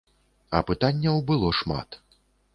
А пытанняў было шмат.